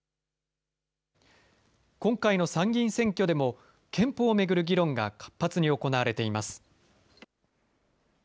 今回の参議院選挙でも、憲法を巡る議論が活発に行われています。